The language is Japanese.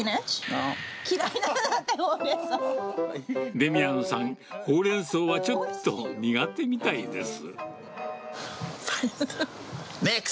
デミアンさん、ホウレンソウはちょっと苦手みたいです。